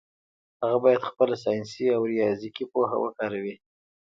هغه باید خپله ساینسي او ریاضیکي پوهه وکاروي.